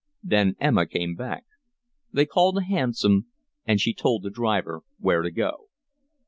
Then Emma came back. They called a hansom, and she told the driver where to go.